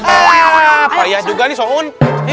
ah payah juga nih so'un